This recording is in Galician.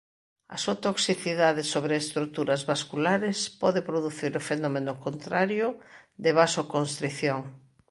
A súa toxicidade sobre estruturas vasculares pode producir o fenómeno contrario de vasoconstrición.